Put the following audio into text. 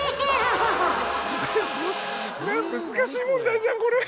難しい問題じゃんこれ！